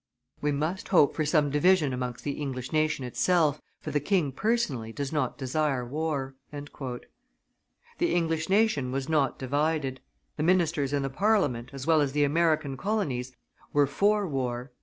We must hope for some division amongst the English nation itself, for the king personally does not desire war." The English nation was not divided. The ministers and the Parliament, as well as the American colonies, were for war.